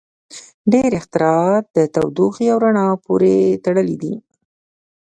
• ډېری اختراعات د تودوخې او رڼا پورې تړلي دي.